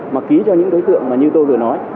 mà ký cho những đối tượng mà như tôi vừa nói